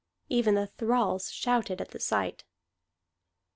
Even the thralls shouted at the sight.